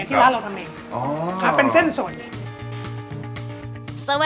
ที่ร้านเราทำเองครับเป็นเส้นสดเอง